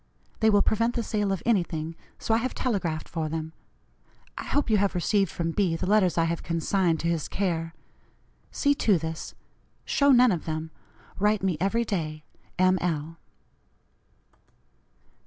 They will prevent the sale of anything, so I have telegraphed for them. I hope you have received from B. the letters I have consigned to his care. See to this. Show none of them. Write me every day. "M. L."